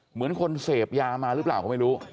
เหมือนคนเสพยามาหรือเปล่าก็ไม่รู้